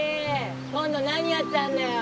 今度何やったんだよ！